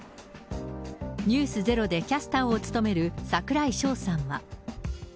ｎｅｗｓｚｅｒｏでキャスターを務める櫻井翔さんは。